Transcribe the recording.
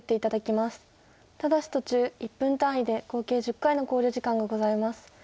ただし途中１分単位で合計１０回の考慮時間がございます。